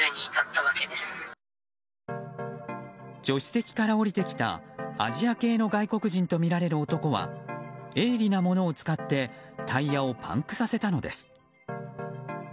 助手席から降りてきたアジア系の外国人とみられる男は鋭利なものを使ってタイヤをパンクさせたのです。